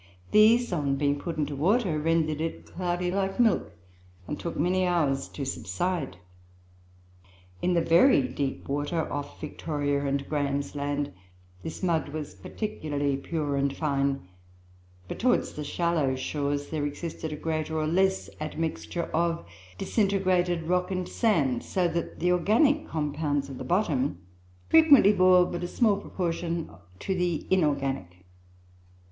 These, on being put into water, rendered it cloudy like milk, and took many hours to subside. In the very deep water off Victoria and Graham's Land, this mud was particularly pure and fine; but towards the shallow shores there existed a greater or less admixture of disintegrated rock and sand; so that the organic compounds of the bottom frequently bore but a small proportion to the inorganic."